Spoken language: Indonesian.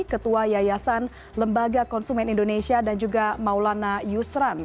ketua yayasan lembaga konsumen indonesia dan juga maulana yusran